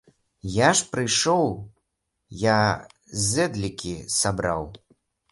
Я ж прыйшоў, я зэдлікі сабраў.